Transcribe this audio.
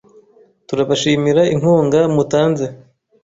Turabashimira inkunga mutanze .